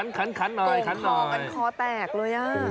ต้นขอกันคอแตกเลยน่ะ